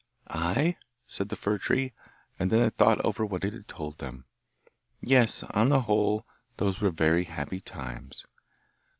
'I?' said the fir tree, and then it thought over what it had told them. 'Yes, on the whole those were very happy times.